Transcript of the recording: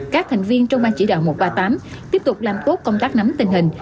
các thành viên trong ban chỉ đạo một trăm ba mươi tám tiếp tục làm tốt công tác nắm tình hình